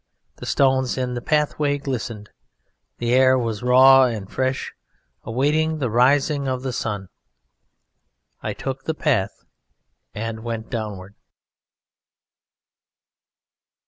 The stones in the pathway glistened, the air was raw and fresh, awaiting the rising of the sun. I took the path and went downward.